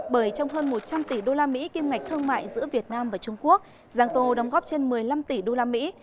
bởi trong hơn một trăm linh tỷ usd kim ngạch thương mại giữa việt nam và trung quốc giang tô đóng góp trên một mươi năm tỷ usd